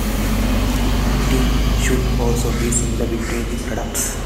"T" should also be similar between the products.